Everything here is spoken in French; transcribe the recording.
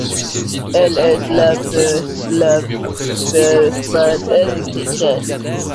Il est labellisé LabelFrancÉducation.